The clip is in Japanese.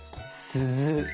鈴？